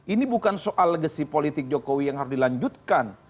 ini bukan soal legasi politik jokowi yang harus dilanjutkan